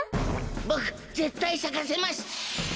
ボクぜったいさかせます！